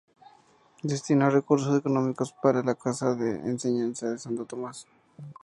Destinó recursos económicos para la Casa de Enseñanza de Santo Tomás.